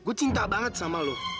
gue cinta banget sama lo